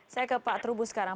saya ke pak trubus sekarang